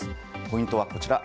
ポイントはこちら。